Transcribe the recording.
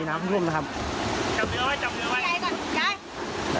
จำเนื้อไว้จำเนื้อไว้